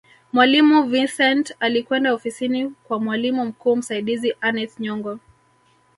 mwalimu vicent alikwenda ofisini kwa mwalimu mkuu msaidizi aneth nyongo